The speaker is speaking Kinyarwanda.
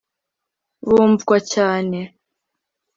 bumvwa cyane